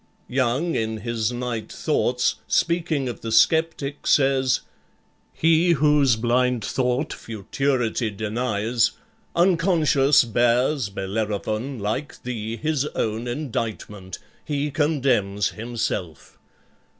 Young, in his "Night Thoughts," speaking of the sceptic, says: "He whose blind thought futurity denies, Unconscious bears, Bellerophon, like thee His own indictment, he condemns himself.